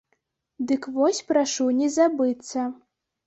Дык вось прашу не забыцца.